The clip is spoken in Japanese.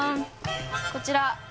こちら何？